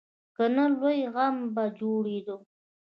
که نه، لوی غم به جوړېدو.